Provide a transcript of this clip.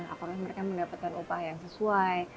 apakah mereka mendapatkan upah yang sesuai